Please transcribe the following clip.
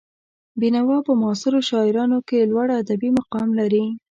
بېنوا په معاصرو شاعرانو کې لوړ ادبي مقام لري.